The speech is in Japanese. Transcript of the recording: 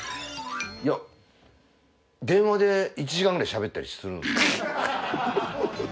いや電話で１時間くらいしゃべったりするんですよ。